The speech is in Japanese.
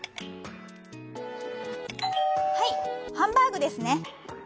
「はいハンバーグですね」。